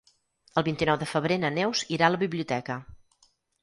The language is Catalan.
El vint-i-nou de febrer na Neus irà a la biblioteca.